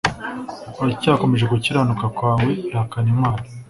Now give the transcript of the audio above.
Uracyakomeje gukiranuka kwawe ihakane imana